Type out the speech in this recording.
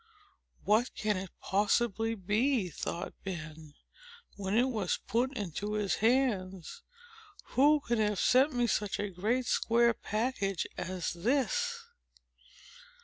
"What can it possibly be?" thought Ben, when it was put into his hands. "Who can have sent me such a great square package as this!"